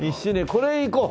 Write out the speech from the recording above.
これいこう。